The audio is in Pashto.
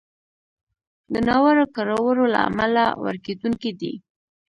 د ناوړو کړو وړو له امله ورکېدونکی دی.